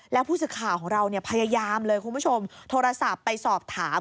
แล้วผู้สื่อข่าวของเราเนี่ยพยายามเลยคุณผู้ชมโทรศัพท์ไปสอบถาม